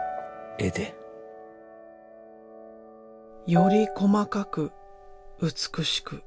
より細かく美しく。